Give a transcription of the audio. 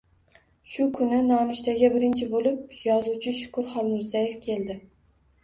Shu kuni nonushtaga birinchi bo’lib yozuvchi Shukur Xolmirzayev keldi.